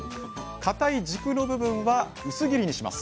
かたい軸の部分は薄切りにします